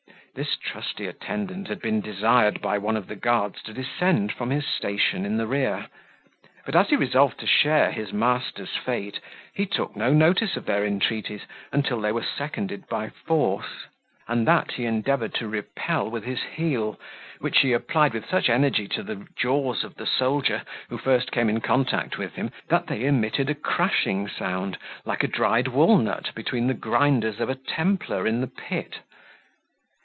This trusty attendant had been desired by one of the guards to descend from his station in the rear; but as he resolved to share his master's fate, he took no notice of their entreaties, until they were seconded by force; and that he endeavoured to repeal with his heel, which he applied with such energy to the jaws of the soldier, who first came in contact with him, that they emitted a crashing sound like a dried walnut between the grinders of a Templar in the pit.